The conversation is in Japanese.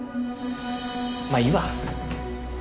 まあいいわ。